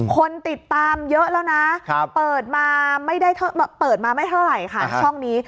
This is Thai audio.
คนติดตามเยอะแล้วนะเปิดมาไม่ได้เปิดมาไม่เท่าไหร่ค่ะช่องนี้